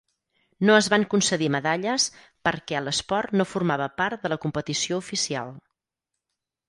No es van concedir medalles per què l"esport no formava part de la competició oficial.